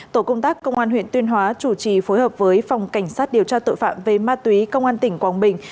tổ công tác công an huyện tuyên hóa chủ trì phối hợp với phòng cảnh sát điều tra tội phạm về ma túy công an tỉnh quảng bình